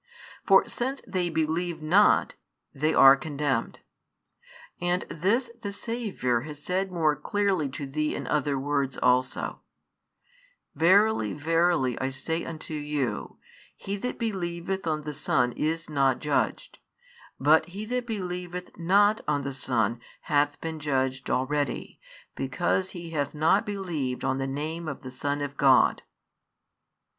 For since they believe not, they are condemned. And this the Saviour has said more clearly to thee in other words also: Verily, verily, I say unto you, He that believeth on the Son is not judged: but he that believeth not on the Son hath been judged already, |60 because he hath not believed on the name of the Son of God.